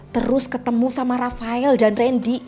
terus ketemu sama rafael dan randy